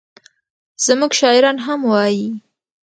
زموږ شاعران هم وایي.